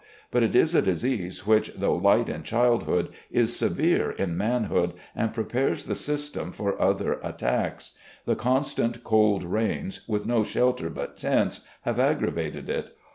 But it is a disease which though light in childhood is severe in manhood, and prepares the system for other attacks. The constant cold rains, with no shelter but tents, have aggravated it.